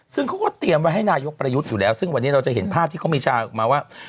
ซึ่งเขาก็เตรียมไว้ให้นายกประยุทธ์อยู่แล้วซึ่งวันนี้เราจะเห็นภาพที่เขามีชาออกมาว่า